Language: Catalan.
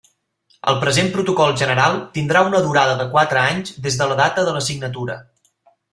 El present protocol general tindrà una durada de quatre anys des de la data de la signatura.